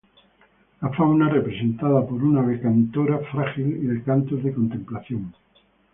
La fauna; representada por un ave cantora, frágil y de cantos de contemplación.